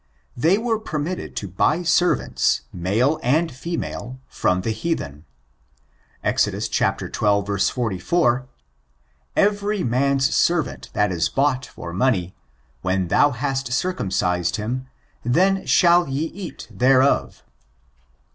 They were permitted to buy servants, male and female, from the heathen. Exod. xii. 44, — "Every man's servant that is bought for money, when thou hast circumcised him, then shall he eat thereof."